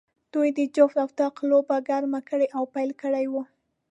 دوی د جفت او طاق لوبه ګرمه کړې او پیل کړې وه.